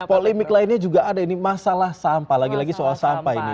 polemik lainnya juga ada ini masalah sampah lagi lagi soal sampah ini